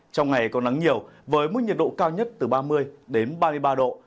trong ngày có nắng nhiều với mức nhiệt độ cao nhất từ ba mươi đến ba mươi ba độ